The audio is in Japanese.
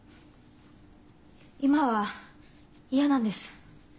今は嫌なんです。